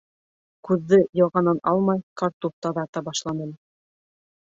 Күҙҙе йылғанан алмай картуф таҙарта башланым.